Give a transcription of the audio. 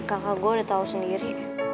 kakak gue udah tau sendiri